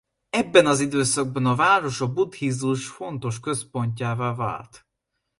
Ebben az időszakban a város a buddhizmus fontos központjává vált.